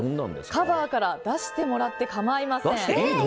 カバーから出してもらって構いません。